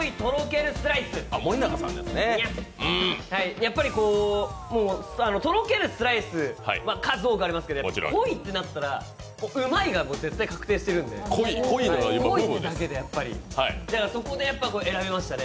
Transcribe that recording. やっぱりとろけるスライス数多くありますけど濃いってなったらうまいが確定してるんでそこでやっぱ選びましたね。